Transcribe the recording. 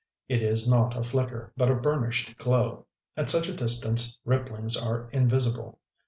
It is not a flicker, but a burnished glow; at such a distance ripplings are invisible....